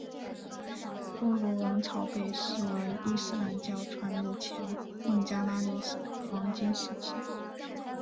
波罗王朝被视为伊斯兰教传入前孟加拉历史的黄金时期。